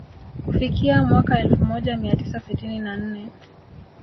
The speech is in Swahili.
Kufikia mwaka elfu moja mia tisa sitini na nne